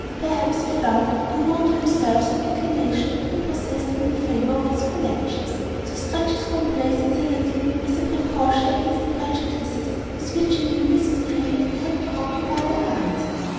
Perhaps he felt, unknown to himself some inclination to prepossess them in favour of his connections; to stretch his complaisance a little, as a precaution against the prejudices with which he knew Mrs Grey would attempt to occupy their minds.